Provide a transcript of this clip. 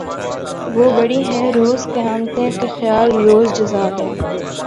وہ پڑی ہیں روز قیامتیں کہ خیال روز جزا گیا